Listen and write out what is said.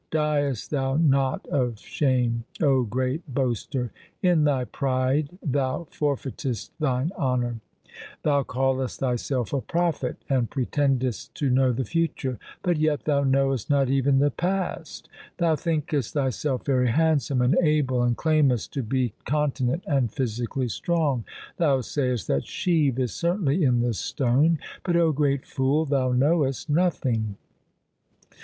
Diest thou not of shame, O great boaster ? In thy pride thou forfeitest thine honour. Thou 74 THE SIKH RELIGION callest thyself a prophet and pretendest to know the future, but yet thou knowest not even the past. Thou thinkest thyself very handsome and able, and claimest to be con tinent and physically strong. Thou say est that Shiv is certainly in the stone, but, O great fool, thou knowest nothing.